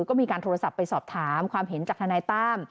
ก็มีการโทรศัพท์ไปสอบถามความเห็นจากทนายตั้ม